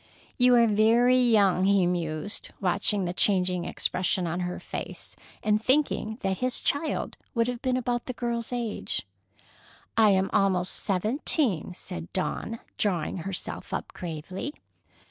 "You are very young," he mused, watching the changing expression on her face, and thinking that his child would have been about this girl's age. "I am almost seventeen," said Dawn, drawing herself up gravely.